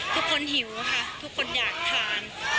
ทุกคนหิวค่ะทุกคนอยากทาน